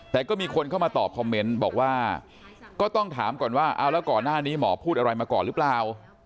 แต่ก็มีคนเข้ามาตอบคอมเมนต์บอกว่าก็ต้องถามก่อนว่าเอาแล้วก่อนหน้านี้หมอพูดอะไรมาก่อนหรือเปล่า